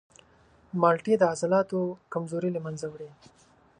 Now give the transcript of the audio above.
مالټې د عضلاتو کمزوري له منځه وړي.